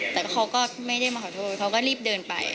แต่เขาก็ไม่ได้มาขอโทษเขาก็รีบเดินไป